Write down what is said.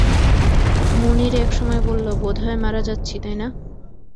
মুনির এক সময় বলল, বোধহয় মারা যাচ্ছি, তাই না?